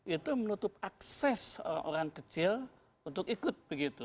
itu menutup akses orang orang kecil untuk ikut begitu